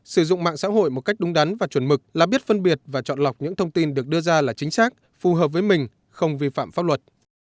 sử dụng mạng xã hội một cách đúng đắn và chuẩn mực là biết phân biệt và chọn lọc những thông tin được đưa ra là chính xác phù hợp với mình không vi phạm pháp luật